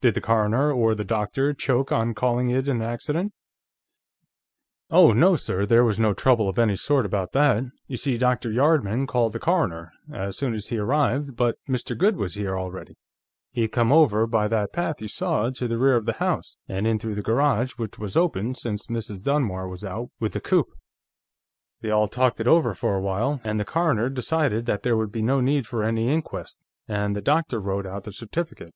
"Did the coroner or the doctor choke on calling it an accident?" "Oh no, sir; there was no trouble of any sort about that. You see, Dr. Yardman called the coroner, as soon as he arrived, but Mr. Goode was here already. He'd come over by that path you saw, to the rear of the house, and in through the garage, which was open, since Mrs. Dunmore was out with the coupé. They all talked it over for a while, and the coroner decided that there would be no need for any inquest, and the doctor wrote out the certificate.